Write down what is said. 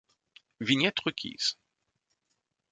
Vignette requise.